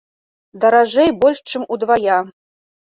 Даражэй больш чым удвая.